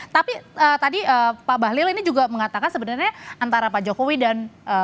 tapi tadi pak bahlil ini juga mengatakan sebenarnya antara pak jokowi dan